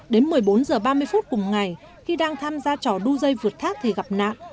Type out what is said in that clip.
đến một mươi bốn h ba mươi phút cùng ngày khi đang tham gia trò đu dây vượt thác thì gặp nạn